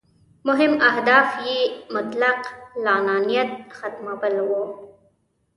مهم اهداف یې مطلق العنانیت ختمول وو.